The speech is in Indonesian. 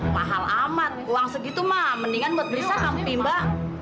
mahal amat uang segitu mah mendingan buat beli sahampi mbak